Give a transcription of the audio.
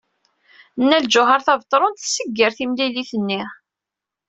Nna Lǧuheṛ Tabetṛunt tsegger timlilit-nni.